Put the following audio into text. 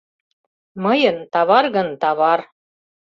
— Мыйын тавар гын, тавар!